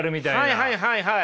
はいはいはいはい。